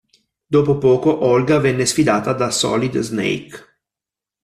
Dopo poco, Olga venne sfidata da Solid Snake.